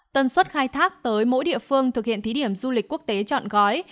tần suất khai thác tới mỗi địa phương thực hiện thí điểm du lịch quốc tế chọn gói